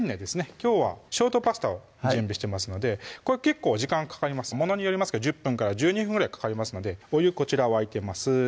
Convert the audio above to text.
きょうはショートパスタを準備してますのでこれ結構時間かかりますものによりますけど１０分１２分ぐらいかかりますのでお湯こちら沸いてます